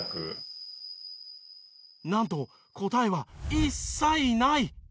なんと答えは「一切ない」。